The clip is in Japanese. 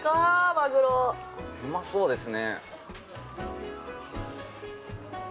まぐろうまそうですね